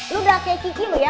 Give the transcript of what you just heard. lu udah kayak kiki lu ya